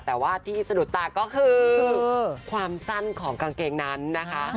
แต่ว่าที่สะดุดตาก็คือความสั้นของกางเกงนั้นนะคะ